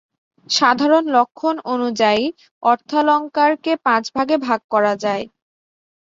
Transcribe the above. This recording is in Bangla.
সাধারণ লক্ষণ অনুযায়ী অর্থালঙ্কারকে পাঁচভাগে ভাগ করা যায়।